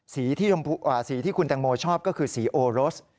สีที่คุณแตงโมชอบก็คือสีโอรส